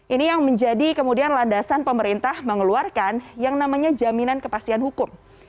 ini yang menjadi kemudian landasan pemerintah mengeluarkan yang namanya jaminan kepastian hukum